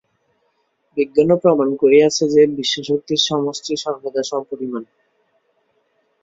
বিজ্ঞানও প্রমাণ করিয়াছে যে, বিশ্বশক্তির সমষ্টি সর্বদা সমপরিমাণ।